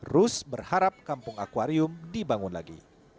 rus berharap kampung akwarium dibangun lagi